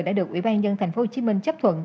đã được ubnd tp hcm chấp thuận